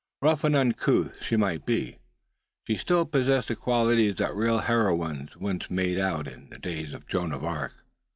Rough and uncouth, she might be, still she possessed the qualities that real heroines were once made out of in the days of Joan of Arc.